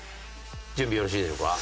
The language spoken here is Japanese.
準備よろしいでしょうか？